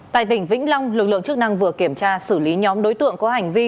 tại tỉnh vĩnh long lực lượng chức năng vừa kiểm tra xử lý nhóm đối tượng có hành vi